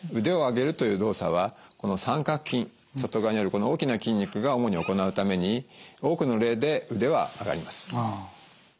腕を上げるという動作はこの三角筋外側にあるこの大きな筋肉が主に行うために多くの例で腕は上がります。